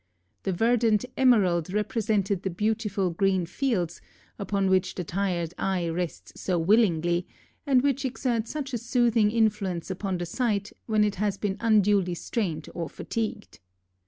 The verdant emerald represented the beautiful green fields, upon which the tired eye rests so willingly, and which exert such a soothing influence upon the sight when it has been unduly strained or fatigued.